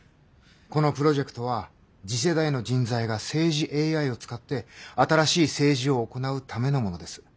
このプロジェクトは次世代の人材が政治ＡＩを使って新しい政治を行うためのものです。